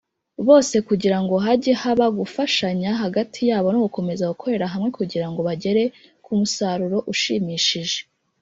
Bose kugirango hajye haba gufashanya hagati yabo no gukomeza gukorera hamwe kugira ngo bagere ku musaruro ushimimishije.